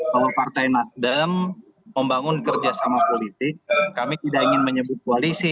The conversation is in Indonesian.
kalau partai nasdem membangun kerjasama politik kami tidak ingin menyebut koalisi